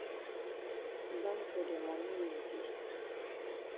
Buy for de moni wey e dey.